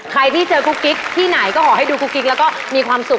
ใครที่เจอกุ๊กกิ๊กที่ไหนก็ขอให้ดูกุ๊กกิ๊กแล้วก็มีความสุข